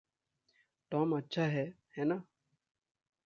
Tom अच्छा है, है ना?